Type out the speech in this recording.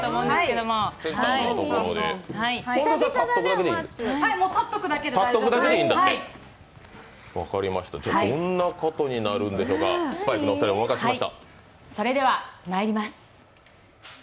どんなことになるんでしょうか、スパイクのお二人にお任せしました。